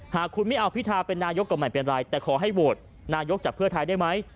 หากคุณไม่เอาพิธาเป็นนายกก็ไม่เป็นไรแต่ขอให้โหวตนายกจากเพื่อไทยได้ไหม